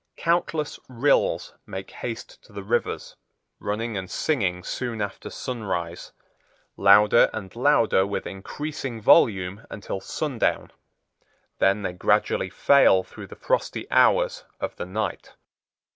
Countless rills make haste to the rivers, running and singing soon after sunrise, louder and louder with increasing volume until sundown; then they gradually fail through the frosty hours of the night.